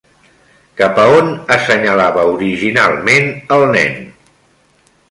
Cap a on assenyalava originalment el nen?